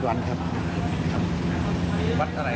วัดเท่าไหร่ครับ